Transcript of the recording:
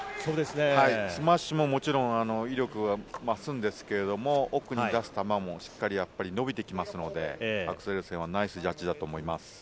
スマッシュも、もちろん威力が増すんですけど、奥に出す球もしっかり伸びてきますので、アクセルセンはナイスジャッジだと思います。